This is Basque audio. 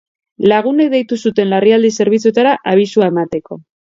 Lagunek deitu zuten larrialdi zerbitzuetara abisua emateko.